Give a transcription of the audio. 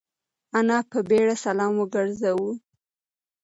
انا په بيړه سلام وگرځاوه.